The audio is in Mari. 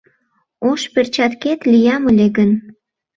Ош перчаткет лиям ыле гын